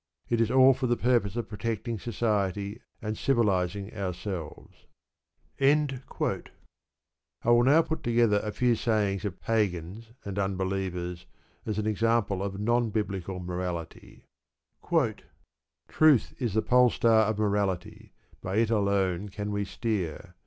It is all for the purpose of protecting society, and civilising ourselves. I will now put together a few sayings of Pagans and Unbelievers as an example of non biblical morality: Truth is the pole star of morality, by it alone can we steer.